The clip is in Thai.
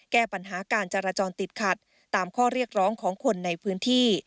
แก้ปัญหาการจราจรติดขัดตามข้อเรียกร้องของคนในพื้นที่